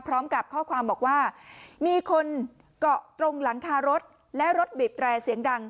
พร้อมกับข้อความบอกว่ามีคนเกาะตรงหลังคารถและรถบีบแตรเสียงดัง